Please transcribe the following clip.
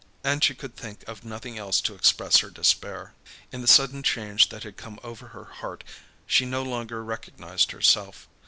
And she could think of nothing else to express her despair. In the sudden change that had come over her heart, she no longer recognised herself.